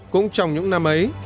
cũng trong những năm ấy